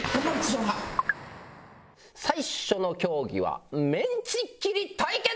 最初の競技はメンチ切り対決！